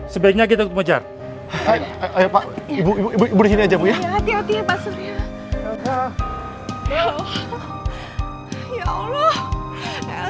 sebaiknya kita ke mejar ayo pak ibu ibu ibu di sini aja ya hati hati ya pak surya